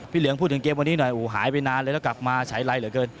พี่เหลืองพูดถึงเกมวันนี้หน่อยหายไปนานแล้วกลับมาใช้ไล่เหลือเกิน